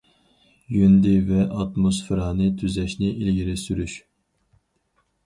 يۇندى ۋە ئاتموسفېرانى تۈزەشنى ئىلگىرى سۈرۈش.